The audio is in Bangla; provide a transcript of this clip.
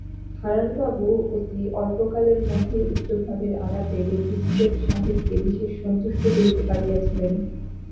হারানবাবু অতি অল্পকালের মধ্যেই উচ্চভাবের আলাপে ম্যাজিস্ট্রেট সাহেবকে বিশেষ সন্তুষ্ট করিতে পারিয়াছিলেন।